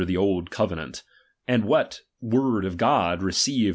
the old covenant, and what word of God received dvUpn*Z!